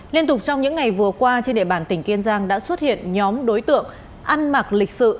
liên tục trong những ngày vừa qua trên địa bàn tỉnh kiên giang đã xuất hiện nhóm đối tượng ăn mặc lịch sự